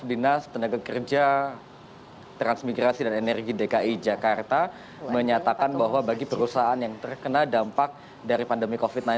dinas tenaga kerja transmigrasi dan energi dki jakarta menyatakan bahwa bagi perusahaan yang terkena dampak dari pandemi covid sembilan belas